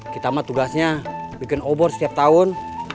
kita mah tugasnya bikin obor setiap tahun